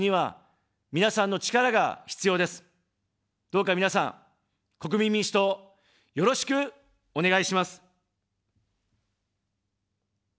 どうか皆さん、国民民主党、よろしくお願いします。